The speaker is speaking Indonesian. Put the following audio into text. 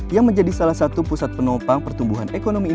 yang menjadi salah satu pusat penopang pertumbuhan ekonomi